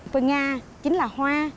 p nha chính là hoa